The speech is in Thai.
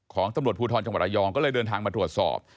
ของตำรวจภูทรจังหวัดระยองก็เลยเดินทางมาตรวจสอบ